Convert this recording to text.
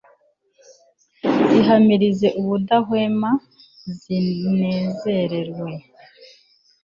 zihamirize ubudahwema zinezerewe